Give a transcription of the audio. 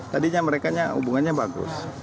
tadinya mereka hubungannya bagus